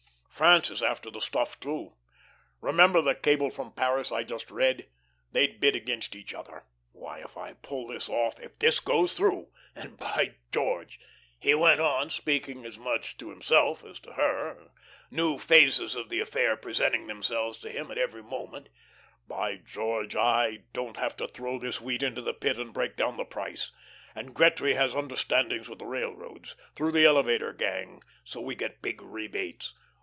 France is after the stuff, too. Remember that cable from Paris I just read. They'd bid against each other. Why, if I pull this off, if this goes through and, by George," he went on, speaking as much to himself as to her, new phases of the affair presenting themselves to him at every moment, "by George, I don't have to throw this wheat into the Pit and break down the price and Gretry has understandings with the railroads, through the elevator gang, so we get big rebates.